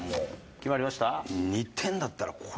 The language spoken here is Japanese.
決まりました？